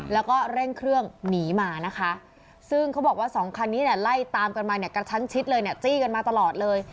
แล้วก็เร่งเครื่องหนีมานะคะซึ่งเขาบอกว่าสองคันนี้เนี่ยไล่ตามกันมาเนี่ยกระชั้นชิดเลยเนี่ยจี้กันมาตลอดเลย